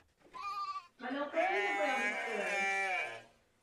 Základní část odehrály tři týmy po dvanácti zápasech.